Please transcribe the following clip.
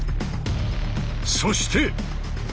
そして！